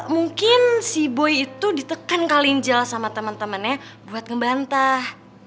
mungkin si boy itu ditekan kali jel sama temen temennya buat ngebantah